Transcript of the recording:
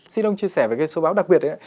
xin ông chia sẻ về cái số báo đặc biệt